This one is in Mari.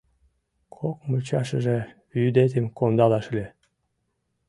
Кок мучашыже вӱдетым кондалаш ыле.